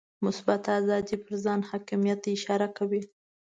مثبته آزادي پر ځان حاکمیت ته اشاره کوي.